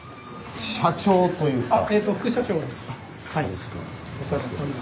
社長というか。